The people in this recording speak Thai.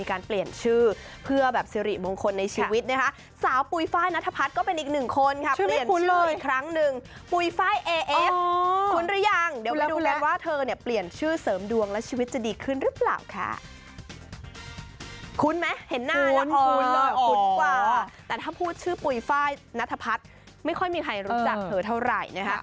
คุ้นแต่ถ้าพูดชื่อปุยฝ้ายนาฑพัฒน์ไม่ค่อยมีใครรู้จักเธอเท่าไร